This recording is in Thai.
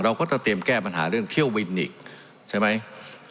เราก็จะเตรียมแก้ปัญหาเรื่องเที่ยวบินอีกใช่ไหม